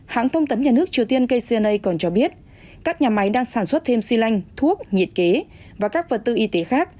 hãng thông tấn nhà nước triều tiên kcna còn cho biết các nhà máy đang sản xuất thêm xi lanh thuốc nhiệt kế và các vật tư y tế khác